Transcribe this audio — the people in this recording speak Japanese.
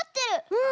うん。